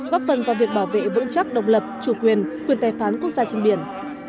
góp phần vào việc bảo vệ vững chắc độc lập chủ quyền quyền tài phán quốc gia trên biển